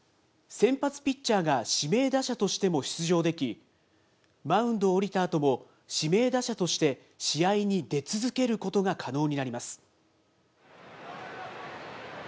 先発ピッチャーが指名打者としても出場でき、マウンドを降りたあとも、指名打者として、試合に出続けることが可能になります。